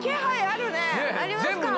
ありますか？